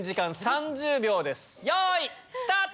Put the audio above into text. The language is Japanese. よいスタート！